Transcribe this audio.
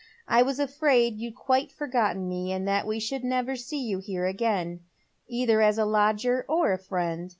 '* I was afi aid you'd quite forgotten me, and that we should never see youhere again, eitheras a lodger or a friend.